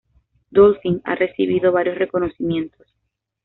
Dolphin ha recibido varios reconocimientos.